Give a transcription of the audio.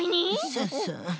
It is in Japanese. そうそう。